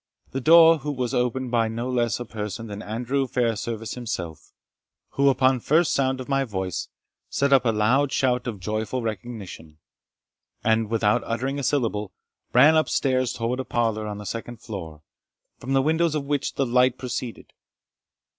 The door was opened by no less a person than Andrew Fairservice himself, who, upon the first sound of my voice, set up a loud shout of joyful recognition, and, without uttering a syllable, ran up stairs towards a parlour on the second floor, from the windows of which the light proceeded.